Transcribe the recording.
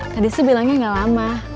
tadi sih bilangnya gak lama